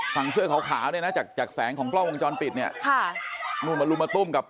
ฟังเสื้อขาวด้วยนะจากแสงของกล้องวงจรปิดเนี่ยนู่นมาลุมมาตุ้มกับ